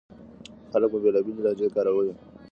خلک به بېلابېلې لهجې کارولې.